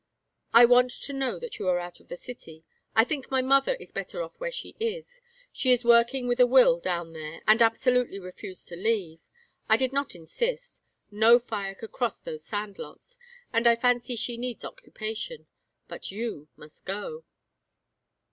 "I want to know that you are out of the city. I think my mother is better off where she is. She is working with a will down there and absolutely refused to leave. I did not insist no fire could cross those sand lots, and I fancy she needs occupation. But you must go."